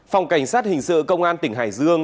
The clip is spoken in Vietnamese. phòng cảnh sát hình sự công an tỉnh hải dương